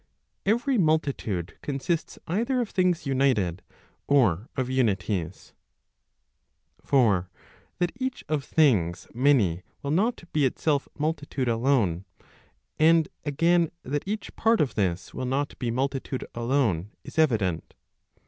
Every multitude consists either of things united, or of unities. For that each of things many will not be itself multitude alone, and again that each part of this will not be multitude alone is evident.